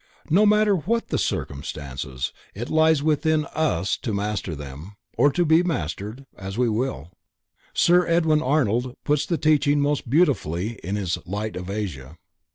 No matter what the circumstances, it lies with us to master them, or to be mastered, as we will. Sir Edwin Arnold puts the teaching most beautifully in his "Light of Asia."